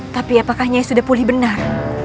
tapi apakah nyai sudah pulih benar